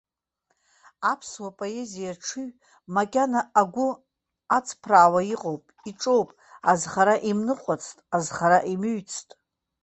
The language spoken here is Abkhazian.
Аԥсуа поезиа аҽыҩ, макьана агәы аҵԥраауа иҟоуп, иҿоуп, азхара имныҟәацт, азхара имыҩцт.